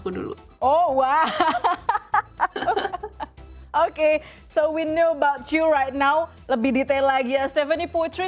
oke jadi kita tahu tentang anda sekarang lebih detail lagi ya stephanie putri